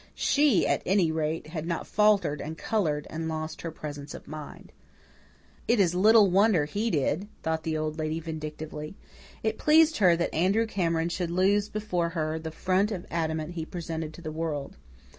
SHE, at any rate, had not faltered and coloured, and lost her presence of mind. "It is little wonder HE did," thought the Old Lady vindictively. It pleased her that Andrew Cameron should lose, before her, the front of adamant he presented to the world.